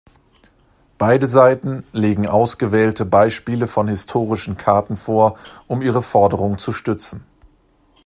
Beide Seiten legen ausgewählte Beispiele von historischen Karten vor, um ihre Forderung zu stützen.